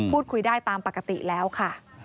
พูดคุยได้ตามปกติแล้วค่ะ